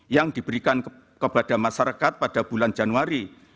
yang diberikan kepada masyarakat pada bulan januari